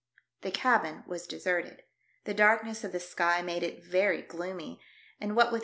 The cabin was deserted. The darkness of the sky made it very gloomy, and what with l6o THE DEATH SHIP.